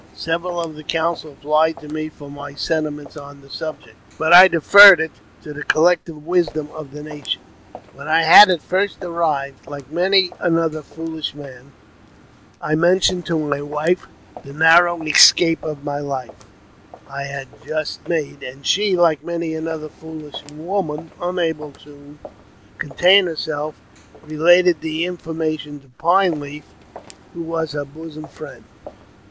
Several of the council applied to me for my sentiments on the" subject, but I deferred it to the collective wisdom of the nation. When I had at first arrived, like many another foolish man^ I mentioned to my wife the narrow escape of my life I had just made, and she, like many another foolish woman, unable to contain herself, related the information to Pine Leaf, who was her bosom friend.